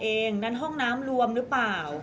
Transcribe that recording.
มิวคิดไปเองนั่นห้องน้ำรวมหรือเปล่า